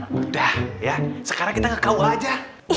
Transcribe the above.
udah ya sekarang kita kau aja